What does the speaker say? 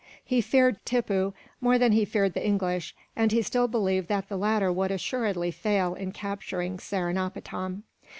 He feared Tippoo more than he feared the English, and he still believed that the latter would assuredly fail in capturing Seringapatam.